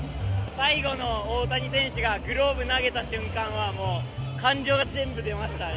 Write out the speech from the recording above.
最後の大谷選手が、グローブ投げた瞬間は、もう、感情が全部出ましたね。